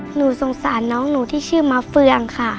หนูสงสารน้องหนูที่ชื่อมาเฟืองค่ะ